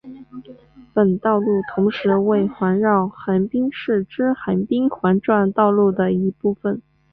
本道路同时为环绕横滨市之横滨环状道路的一部份。